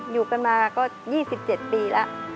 อยู่กันมาก็๒๗ปีแล้ว